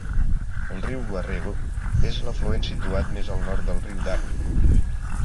El riu Warrego és l'afluent situat més al nord del riu Darling.